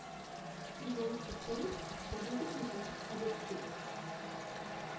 He rules the state, judges the people, and is priest.